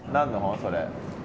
それ。